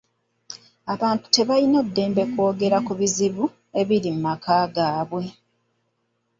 Abantu tebalina ddembe kwogera ku bizibu ebiri mu maka gaabwe.